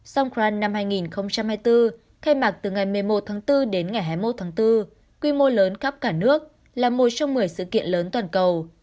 song grand năm hai nghìn hai mươi bốn khai mạc từ ngày một mươi một tháng bốn đến ngày hai mươi một tháng bốn quy mô lớn khắp cả nước là một trong một mươi sự kiện lớn toàn cầu